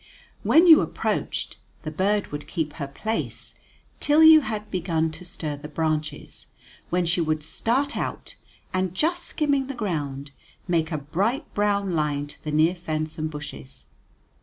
When you approached, the bird would keep her place till you had begun to stir the branches, when she would start out, and, just skimming the ground, make a bright brown line to the near fence and bushes.